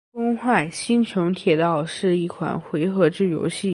《崩坏：星穹铁道》是一款回合制游戏。